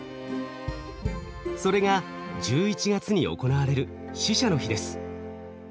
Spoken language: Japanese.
それが１１月に行われる「死者の日」です。